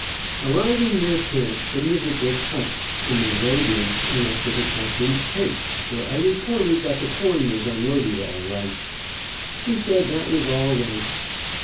Arriving near camp, the music was hushed, and we rode in, and up to the captain's tent, where I reported that the corn was unloaded, all right. He said that was all right.